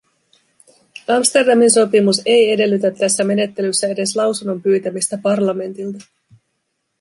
Amsterdamin sopimus ei edellytä tässä menettelyssä edes lausunnon pyytämistä parlamentilta.